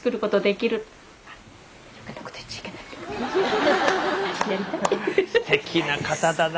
すてきな方だな。